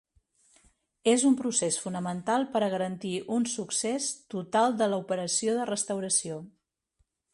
És un procés fonamental per a garantir un succés total de l'operació de restauració.